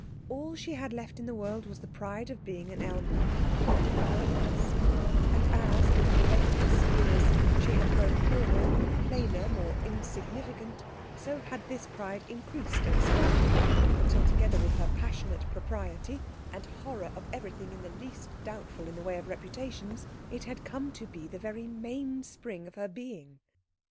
All she had left in the world was the pride of being an Elmreich and a baroness; and as, with the relentless years, she had grown poorer, plainer, more insignificant, so had this pride increased and strengthened, until, together with her passionate propriety and horror of everything in the least doubtful in the way of reputations, it had come to be the very mainspring of her being.